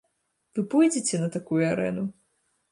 Вы пойдзеце на такую арэну?